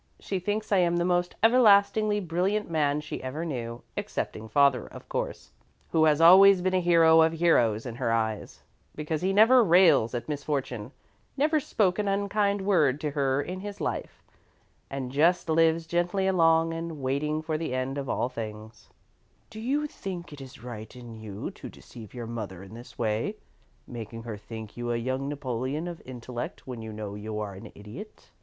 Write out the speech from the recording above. She thinks I am the most everlastingly brilliant man she ever knew excepting father, of course, who has always been a hero of heroes in her eyes, because he never rails at misfortune, never spoke an unkind word to her in his life, and just lives gently along and waiting for the end of all things." [Illustration: "'HIS FAIRY STORIES WERE TOLD HIM IN WORDS OF TEN SYLLABLES'"] "Do you think it is right in you to deceive your mother in this way making her think you a young Napoleon of intellect when you know you are an Idiot?"